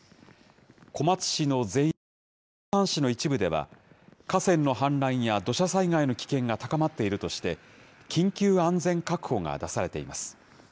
小松市の全域と白山市の一部では、河川の氾濫や土砂災害の危険が高まっているとして、緊急安全確保が出されています。